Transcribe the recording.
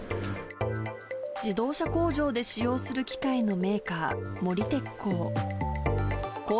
自動車工場で使用する機械のメーカー、森鉄工。